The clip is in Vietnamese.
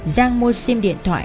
giang mua sim điện thoại